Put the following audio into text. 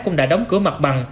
cũng đã đóng cửa mặt bằng